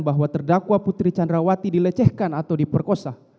bahwa terdakwa putri candrawati dilecehkan atau diperkosa